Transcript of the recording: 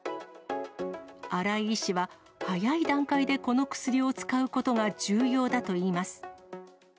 新井医師は、早い段階でこの薬を使うことが重要だといいます。